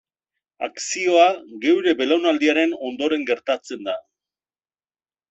Akzioa geure belaunaldiaren ondoren gertatzen da.